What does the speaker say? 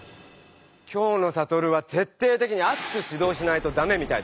今日のサトルはてっていてきにあつくしどうしないとダメみたいだね。